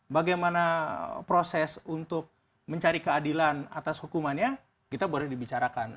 bagaimana proses untuk mencari keadilan atas hukumannya kita boleh dibicarakan